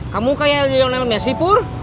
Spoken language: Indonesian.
kamu kayak lionel messi pur